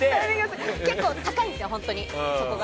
結構高いんですよ、そこが。